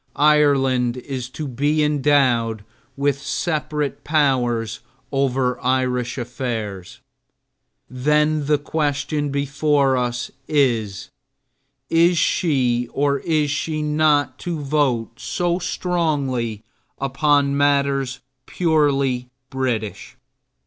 Ireland is to be endowed with separate powers over Irish affairs. Then the question before us is: Is she or is she not to vote so strongly upon matters purely British?